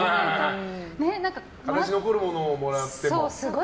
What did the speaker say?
形が残るものをもらっても。